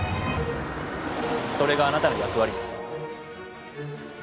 それがあなたの役割です。